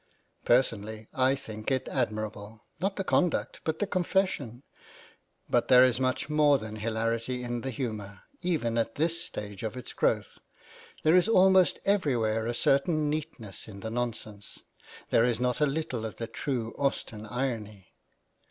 Personally I think it admirable ; not the conduct, but the confession. But there is much more than hilarity in the humour, even at this stage of its growth. There is almost everywhere a certain neatness in the nonsense. There is not a little of the true Austen irony.